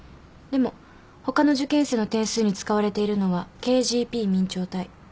でも他の受験生の点数に使われているのはＫＧＰ明朝体。